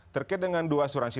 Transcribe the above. terkait dengan dua asuransi